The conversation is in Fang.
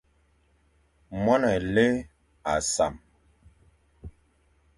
Moan élé âʼa sam.